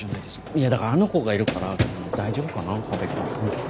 いやだからあの子がいるから大丈夫かな河辺君。